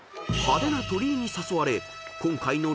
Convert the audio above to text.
［派手な鳥居に誘われ今回の］